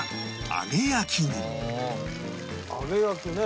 「揚げ焼きね」